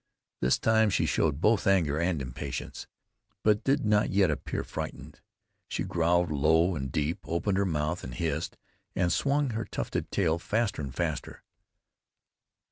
This time she showed both anger and impatience, but did not yet appear frightened. She growled low and deep, opened her mouth and hissed, and swung her tufted tail faster and faster.